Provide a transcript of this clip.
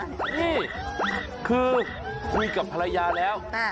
นี่คือคุยกับภรรยาแล้ว